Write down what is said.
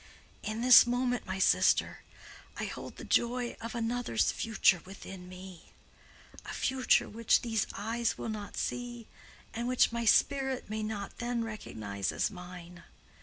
In this moment, my sister, I hold the joy of another's future within me: a future which these eyes will not see, and which my spirit may not then recognize as mine.